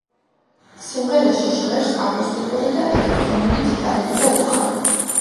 სიმღერაში ჟღერს აკუსტიკური და ელექტრონული გიტარები და ვოკალი.